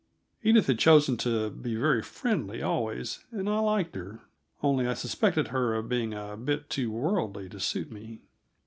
Edith had chosen to be very friendly always, and I liked her only, I suspected her of being a bit too worldly to suit me.